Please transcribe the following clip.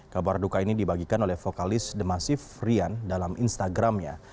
kabar duka ini dibagikan oleh vokalis the masif rian dalam instagramnya